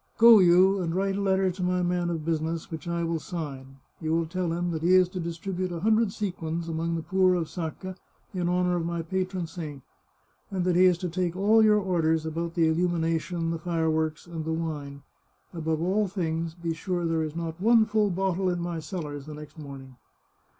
Go you, and write a letter to my man of business, which I will sign. You will tell him he is to distribute a hundred sequins among the poor of Sacca, in honour of my patron saint, and that he is to take all your orders about the illumination, the fireworks, and the wine. Above all things, be sure there is not one full bottle in my cellars the next morning."